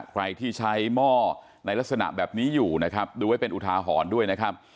ใครที่ใช้หม้อในลักษณะแบบนี้อยู่นะครับดูไว้เป็นอุทาหรณ์ด้วยนะครับ